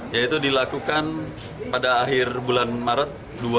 yaitu dilakukan pada akhir bulan maret dua ribu dua puluh